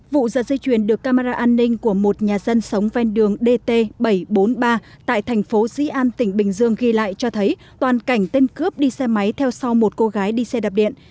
vụ giật dây chuyền được camera an ninh của một nhà dân sống ven đường dt bảy trăm bốn mươi ba tại thành phố dĩ an tỉnh bình dương ghi lại cho thấy toàn cảnh tên cướp đi xe máy theo sau một cô gái đi xe đạp điện